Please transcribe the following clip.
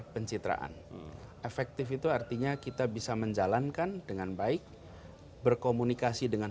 pencitraan efektif itu artinya kita bisa menjalankan dengan baik berkomunikasi dengan